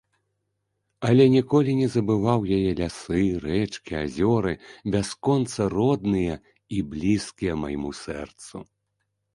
Але ніколі не забываў яе лясы, рэчкі, азёры, бясконца родныя і блізкія майму сэрцу.